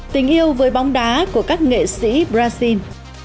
tình yêu với bóng đá của các nghệ sĩ brazil